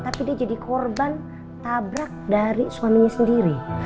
tapi dia jadi korban tabrak dari suaminya sendiri